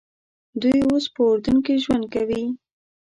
دوی اوس په اردن کې ژوند کوي.